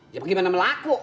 ya gimana melaku